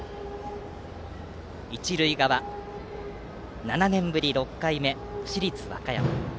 一塁側、７年ぶり６回目市立和歌山。